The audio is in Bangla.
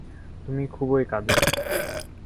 তুমি খুবই কাজের।